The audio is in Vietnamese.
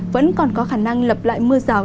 vẫn còn có khả năng lập lại mưa rào